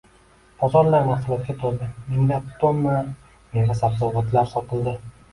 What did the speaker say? bozorlar mahsulotga to‘ldi, minglab tonna meva-sabzavot sotildi.